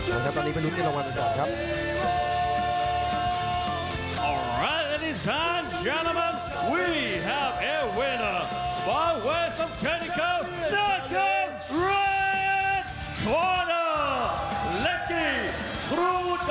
โอ้โหครับตอนนี้มันลุกได้ระวันก่อนครับ